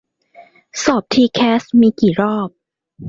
สอบทีแคสมีกี่รอบ